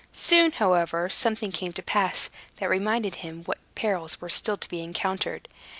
Soon, however, something came to pass, that reminded him what perils were still to be encountered.